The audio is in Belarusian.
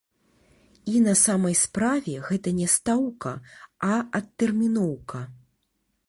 І на самай справе гэта не стаўка, а адтэрміноўка.